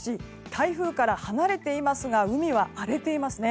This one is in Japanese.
台風から離れていますが海は荒れていますね。